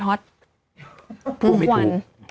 พูดไม่ถูก